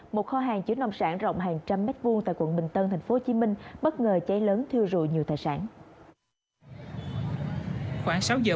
một kho hàng chứa nông sản rộng hàng trăm mét vuông tại quận bình tân tp hcm bất ngờ cháy lớn thiêu rụi nhiều tài sản